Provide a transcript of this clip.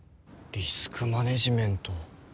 リスクマネジメント。